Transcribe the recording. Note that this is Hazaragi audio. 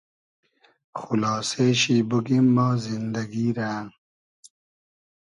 خولاسې شی بوگیم ما زیندئگی رۂ